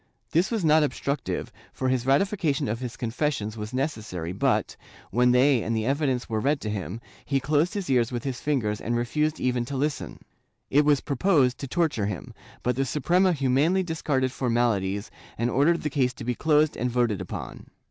This was most obstructive, for his ratification of his confessions was necessary but, when they and the evidence were read to him, he closed his ears with his fingers and refused even to listen. It was proposed to torture him, but the Suprema humanely discarded formalities and ordered the case to be closed and voted upon.